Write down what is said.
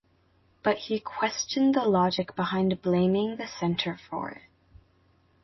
But he questioned the logic behind blaming the centre for it.